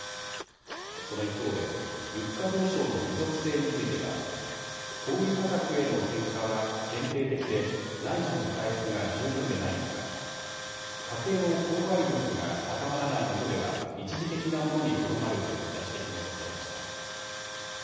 その一方で物価上昇の持続性については小売価格への転嫁は限定的で内需の回復が十分でないとか家計の購買力が高まらないもとでは一時的なものにとどまるといった指摘も出されました。